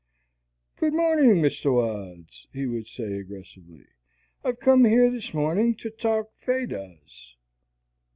"Good morning, Mr. Wads," he would say aggressively. "I've come here this morning to talk Vedas."